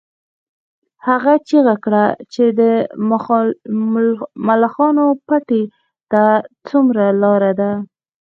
هغې چیغه کړه چې د ملخانو پټي ته څومره لار ده